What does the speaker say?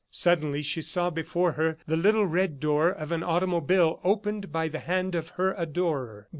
Suddenly she saw before her the little red door of an automobile, opened by the hand of her adorer.